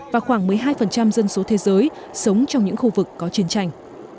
và khoảng một mươi hai dân số thế giới sống trong những khu vực có chiến tranh